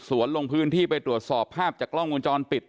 ลงพื้นที่ไปตรวจสอบภาพจากกล้องวงจรปิด